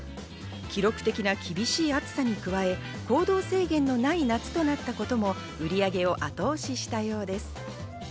記録的な厳しい暑さに加え、行動制限のない夏となったことも売り上げを後押ししたようです。